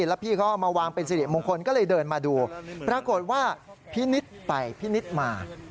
แล้วพี่เขาเอามาวางเป็นสิริมงคลก็เลยเดินมาดูปรากฏว่าพี่นิดไปพินิษฐ์มา